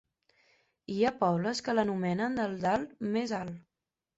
Hi ha pobles que l‘anomenen el dalt més alt.